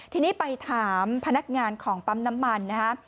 ทีนี้ไปถามพนักงานของปั๊มน้ำมันนะฮะ